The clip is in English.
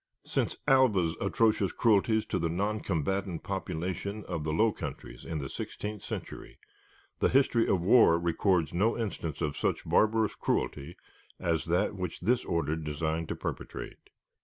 Since Alva's atrocious cruelties to the noncombatant population of the Low Countries in the sixteenth century, the history of war records no instance of such barbarous cruelty as that which this order designed to perpetrate.